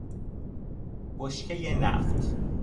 بشکه نفت